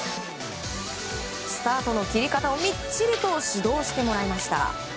スタートの切り方を、みっちりと指導してもらいました。